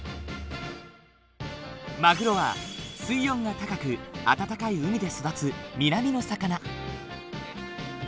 マグロは水温が高く温かい海で育つ南の魚。